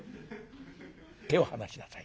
手を離しなさい。